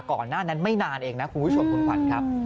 ก่อนหน้านั้นไม่นานเองนะคุณผู้ชมคุณขวัญครับ